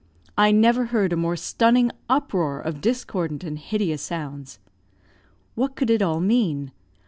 I never heard a more stunning uproar of discordant and hideous sounds. What could it all mean?